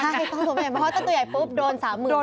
ใช่ต้องตัวไม่ใหญ่เพราะว่าตัวใหญ่ปุ๊บโดรน๓๐๐๐๐